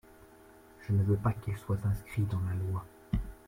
Je ne veux pas qu’il soit inscrit dans la loi.